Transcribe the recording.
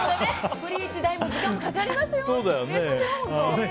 ブリーチ代も時間もかかりますよ。